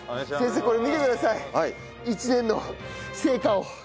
先生これ見てください一年の成果を。